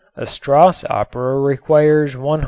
A Strauss opera requires 112.